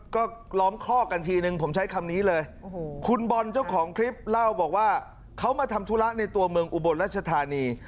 ก็ล้อมคอกกันทีนึงผมใช้คำนี้เลยคุณบอลเจ้าของคลิปเล่าบอกว่าเขามาทำธุระในตัวเมืองอุบลรัชธานี